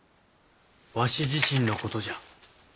わし自身のことじゃ。